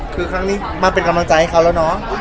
คือครั้งนี้มาเป็นกำลังใจให้เขาแล้วเนาะ